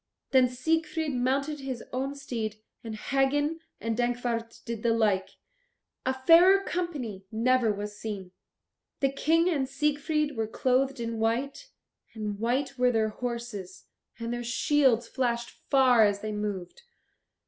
Then Siegfried mounted his own steed, and Hagen and Dankwart did the like. A fairer company never was seen. The King and Siegfried were clothed in white, and white were their horses, and their shields flashed far as they moved.